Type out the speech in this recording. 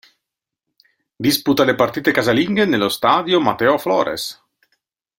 Disputa le partite casalinghe nello Stadio Mateo Flores.